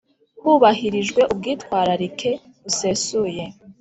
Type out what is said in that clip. hubahirijwe ubwitwararike busesuye